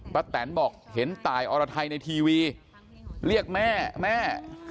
แตนบอกเห็นตายอรไทยในทีวีเรียกแม่แม่